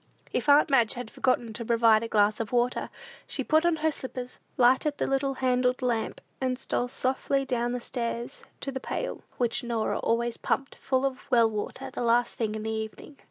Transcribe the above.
If aunt Madge had forgotten to provide a glass of water, she put on her slippers, lighted the little handled lamp, and stole softly down stairs to the pail, which Norah always pumped full of well water the last thing in the evening.